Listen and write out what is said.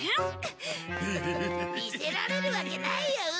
見せられるわけないよ